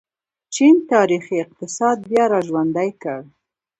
چین تاریخي اقتصاد بیا راژوندی کړ.